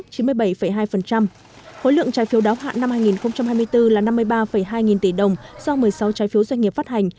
khối lượng trái phiếu đáo hạn năm hai nghìn hai mươi bốn là năm mươi ba hai nghìn tỷ đồng do một mươi sáu trái phiếu doanh nghiệp phát hành